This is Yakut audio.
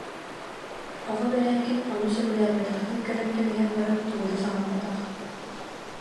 Оҕо Бэрээкин ону сөбүлээбэтэхтии көрөн кэбиһэн баран тугу да саҥарбатах